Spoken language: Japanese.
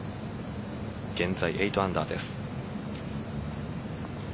現在８アンダーです。